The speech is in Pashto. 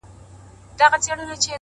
شرنګی دی د ناپایه قافلې د جرسونو؛